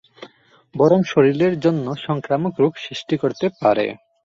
বরং শরীরের জন্য সংক্রামক রোগ সৃষ্টি করতে পারে।